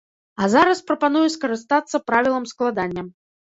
А зараз прапаную скарыстацца правілам складання.